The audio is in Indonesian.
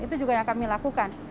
itu juga yang kami lakukan